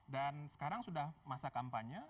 dan sekarang sudah masa kampanye